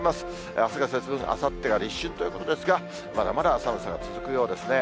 あすが節分、あさってが立春ということですが、まだまだ寒さが続くようですね。